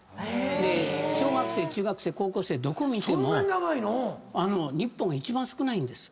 で小学生中学生高校生どこ見ても日本が一番少ないんです。